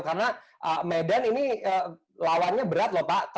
karena medan ini lawannya berat lho pak